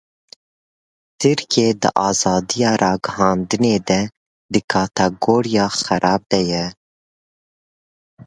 Tirkiye di azadiya ragihandinê de di kategoriya "xerab" de ye.